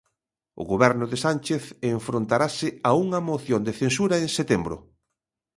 O Goberno de Sánchez enfrontarase a unha moción de censura en setembro.